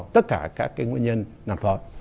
tất cả các nguyên nhân nạp vợ